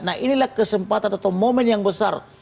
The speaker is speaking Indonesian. nah inilah kesempatan atau momen yang besar